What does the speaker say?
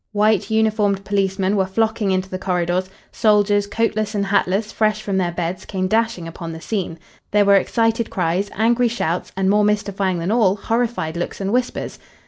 White uniformed policemen were flocking into the corridors; soldiers, coatless and hatless, fresh from their beds, came dashing upon the scene. There were excited cries, angry shouts and, more mystifying than all, horrified looks and whispers.